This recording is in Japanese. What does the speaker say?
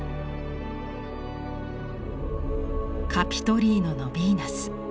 「カピトリーノのヴィーナス」。